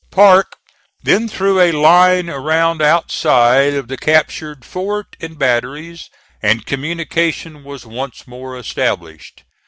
Parke then threw a line around outside of the captured fort and batteries, and communication was once more established.